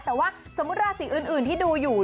แต่ว่าสมมุติราศีอื่นที่ดูอยู่